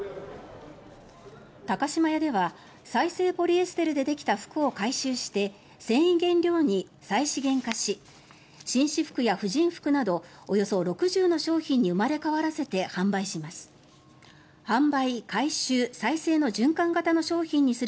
高島屋では再生ポリエステルでできた服を回収して繊維原料に再資源化し紳士服や婦人服などおよそ６０の商品に生まれ変わらせて販売します。